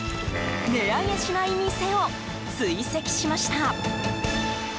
値上げしない店を追跡しました。